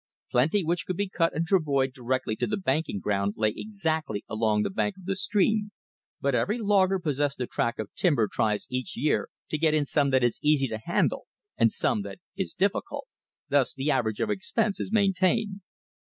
Plenty which could be cut and travoyed directly to the banking ground lay exactly along the bank of the stream; but every logger possessed of a tract of timber tries each year to get in some that is easy to handle and some that is difficult. Thus the average of expense is maintained.